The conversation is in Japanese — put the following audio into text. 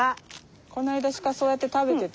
この間鹿そうやって食べてた。